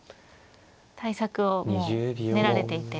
対策をもう練られていて。